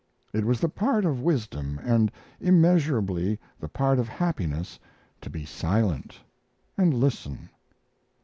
It was the part of wisdom and immeasurably the part of happiness to be silent and listen.